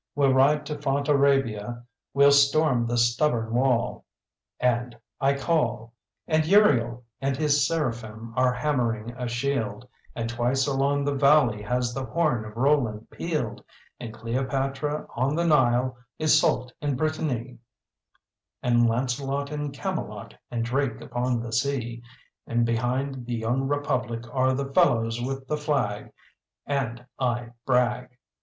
We'll ride to Fontarabia, we'll storm the stubborn wall, And I call. And Uriel and his Seraphim are hammering a shield; And twice along the valley has the horn of Roland pealed; And Cleopatra on the Nile, Iseult in Brittany, And Lancelot in Camelot, and Drake upon the sea; And behind the young Republic are the fellows with the flag, And I brag!